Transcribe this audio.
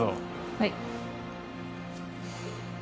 はい